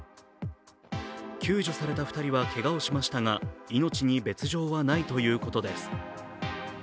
救助された２人はけがをしましたが命に別状はないということです。